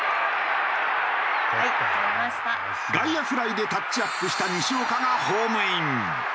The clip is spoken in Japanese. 外野フライでタッチアップした西岡がホームイン。